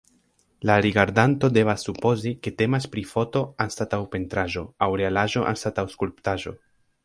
La rigardanto devas supozi, ke temas pri foto anstataŭ pentraĵo aŭ realaĵo anstataŭ skulptaĵo.